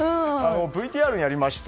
ＶＴＲにありました